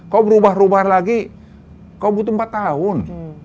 kau berubah ubah lagi kau butuh empat tahun